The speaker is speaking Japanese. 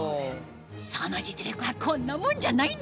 その実力はこんなもんじゃないんです